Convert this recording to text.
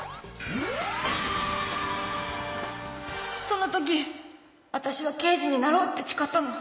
そのときわたしは刑事になろうって誓ったの。